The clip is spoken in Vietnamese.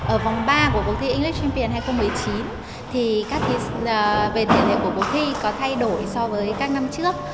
ở vòng ba của cuộc thi english champion hai nghìn một mươi chín thì về tiền lệ của cuộc thi có thay đổi so với các năm trước